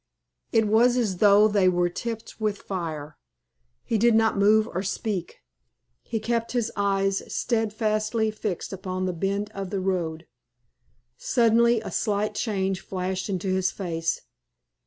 It was as though they were tipped with fire. He did not move or speak. He kept his eyes steadfastly fixed upon the bend of the road. Suddenly a slight change flashed into his face.